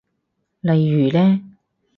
例如呢？